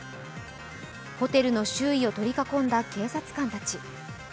ホテルの周囲を取り囲んだ警察官たち。